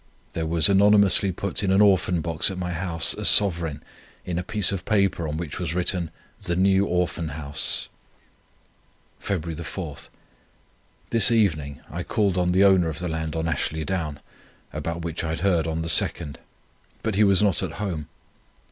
There was anonymously put in an Orphan box at my house a sovereign, in a piece of paper, on which was written, 'The New Orphan House.' "Feb. 4. This evening I called on the owner of the land on Ashley Down, about which I had heard on the 2nd, but he was not at home.